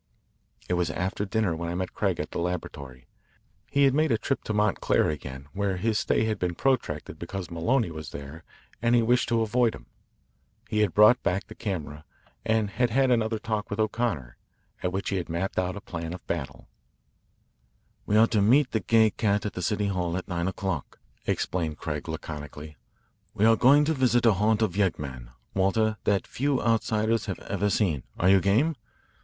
It was after dinner when I met Craig at the laboratory. He had made a trip to Montclair again, where his stay had been protracted because Maloney was there and he wished to avoid him. He had brought back the camera, and had had another talk with O'Connor, at which he had mapped out a plan of battle. "We are to meet the Gay Cat at the City Hall at nine o'clock," explained Craig laconically. "We are going to visit a haunt of yeggmen, Walter, that few outsiders have ever seen. Are you game?